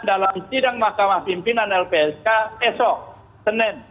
dalam sidang mahkamah pimpinan lpsk esok senin